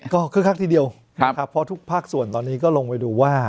ก็คึกคักทีเดียวนะครับเพราะทุกภาคส่วนตอนนี้ก็ลงไปดูว่า